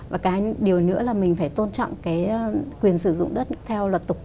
và cái điều nữa là mình phải tôn trọng cái quyền sử dụng đất theo luật tục